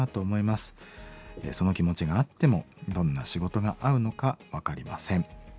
その気持ちがあってもどんな仕事が合うのか分かりません。